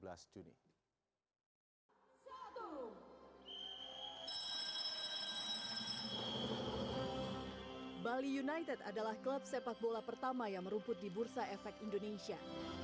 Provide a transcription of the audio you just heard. bali united adalah klub sepak bola pertama yang merumput di bursa efek indonesia